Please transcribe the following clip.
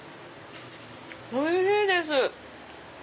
おいしいです。